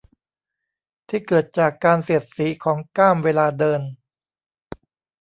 ที่เกิดจากการเสียดสีของก้ามเวลาเดิน